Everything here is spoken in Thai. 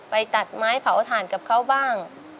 ไปตัดไม้เผาถ่านกับเขาบ้าง